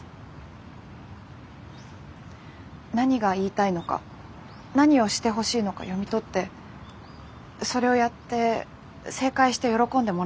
何が言いたいのか何をしてほしいのか読み取ってそれをやって正解して喜んでもらえたら安心して。